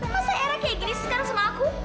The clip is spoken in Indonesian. masa era kayak gini sekarang sama aku